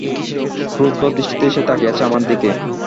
ক্রুদ্ধ দৃষ্টিতে সে তাকিয়ে আছে আমার দিকে।